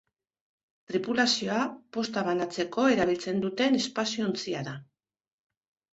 Tripulazioa posta banatzeko erabiltzen duten espazio ontzia da.